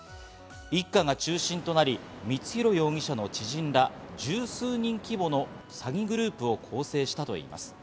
一家が中心となり、光弘容疑者の知人ら十数人規模の詐欺グループを構成したといいます。